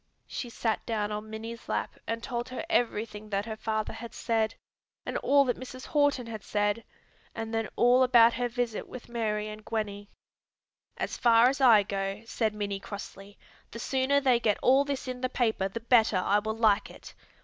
She sat down on Minnie's lap, and told her everything that her father had said, and all that Mrs. Horton had said, and then all about her visit with Mary and Gwenny. "As far as I go," said Minnie crossly, "the sooner they get all this in the paper the better I will like it.